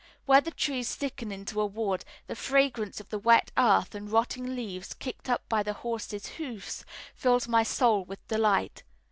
Where the trees thicken into a wood, the fragrance of the wet earth and rotting leaves kicked up by the horses' hoofs fills my soul with delight.